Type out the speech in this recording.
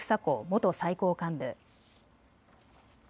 元最高幹部。